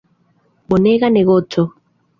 Bonega negoco.